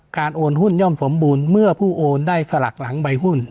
โอนหุ้นย่อมสมบูรณ์เมื่อผู้โอนได้สลักหลังใบหุ้น